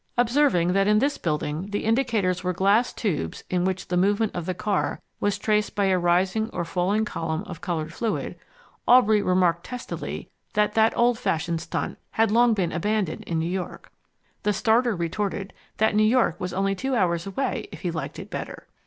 Observing that in this building the indicators were glass tubes in which the movement of the car was traced by a rising or falling column of coloured fluid, Aubrey remarked testily that that old fashioned stunt had long been abandoned in New York. The starter retorted that New York was only two hours away if he liked it better.